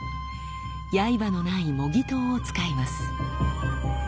刃のない模擬刀を使います。